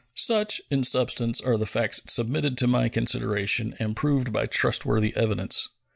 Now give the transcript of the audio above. Such, in substance, are the facts submitted to my consideration, and proved by trustworthy evidence.